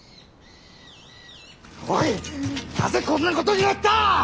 おいなぜこんなことになった！